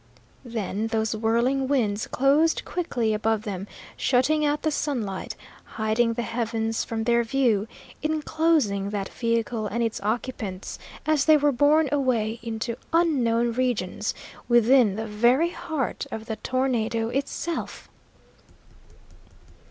Then those whirling winds closed quickly above them, shutting out the sunlight, hiding the heavens from their view, enclosing that vehicle and its occupants, as they were borne away into unknown regions, within the very heart of the tornado itself!